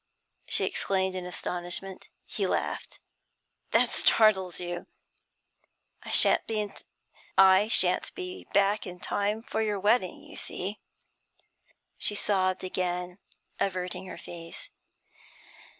she exclaimed in astonishment. He laughed. 'That startles you. I shan't be back in time for your wedding, you see.' She sobbed again, averting her face.